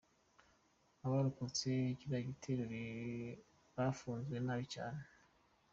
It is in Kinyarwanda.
Abarokotse kiriya gitero bafunzwe nabi cyane!